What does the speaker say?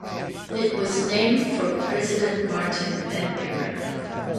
It was named for President Martin Van Buren.